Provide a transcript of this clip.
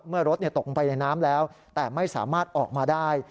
เมื่อรถตกลงไปในน้ำแล้วแต่ไม่สามารถออกมาได้